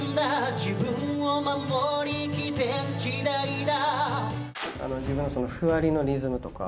「自分を守り生きていく時代だ」